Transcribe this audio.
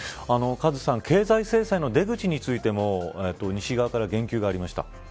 カズさん経済制裁の出口についても西側から言及がありました。